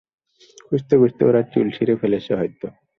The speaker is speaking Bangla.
খুঁজতে খুঁজতে ওরা চুল ছিড়ে ফেলছে হয়তো।